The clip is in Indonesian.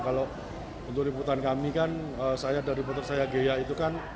kalau untuk liputan kami kan saya dari foto saya ghea itu kan